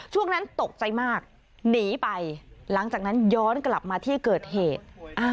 ช่วงนั้นตกใจมากหนีไปหลังจากนั้นย้อนกลับมาที่เกิดเหตุ